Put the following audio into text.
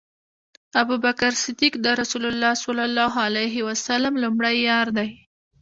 ابوبکر صديق د رسول الله صلی الله عليه وسلم لومړی یار دی